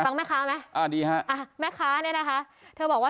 อย่างนี้เลยนะดีฮะแม่ค้าเนี่ยนะคะเธอบอกว่า